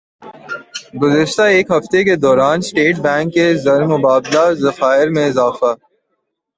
گزشتہ ایک ہفتہ کے دوران اسٹیٹ بینک کے زرمبادلہ ذخائر میں اضافہ